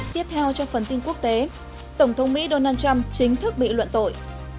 tiếp theo trong phần tin quốc tế tổng thống mỹ donald trump chính thức bị luận tội